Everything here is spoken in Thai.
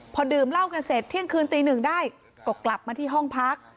พอดื่มเหล้ากันเสร็จเที่ยงคืนตีหนึ่งได้ก็กลับมาที่ห้องพัก